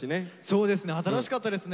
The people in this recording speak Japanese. そうですね新しかったですね。